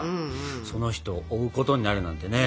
その人を追うことになるなんてね。